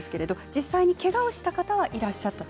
実際けがをした方はいました。